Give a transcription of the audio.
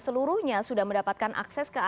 seluruhnya sudah mendapatkan akses ke